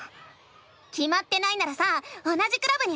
きまってないならさ同じクラブに入ろうよ！